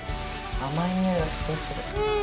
甘いにおいがすごいするうん！